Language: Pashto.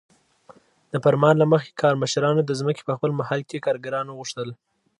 د فرمان له مخې کارمشرانو د ځمکې په خپل محل کې کارګران غوښتل.